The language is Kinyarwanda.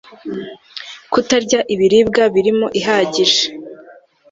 kutarya ibiribwa birimo ihagije